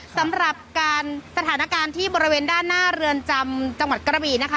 สำหรับการสถานการณ์ที่บริเวณด้านหน้าเรือนจำจังหวัดกระบี่นะคะ